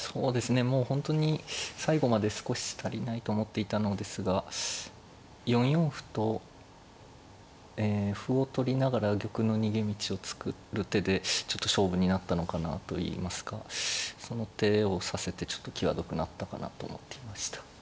もう本当に最後まで少し足りないと思っていたのですが４四歩とえ歩を取りながら玉の逃げ道を作る手でちょっと勝負になったのかなといいますかその手を指せてちょっと際どくなったかなと思っていました。